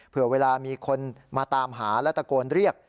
เผื่อเวลามีคนมาตามหาและตะโกนเรียก